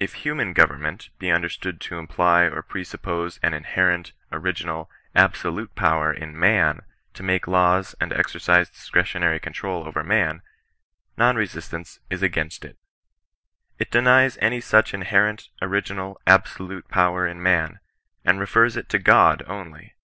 If human government be understood to imply or pre suppose an inherent, ori ginal, ABSOLUTE power in man to make laws and exercise discretionary control over man, non resistance is against it. It denies any such inherent, original, absolute power in man, and refers it to Ood only.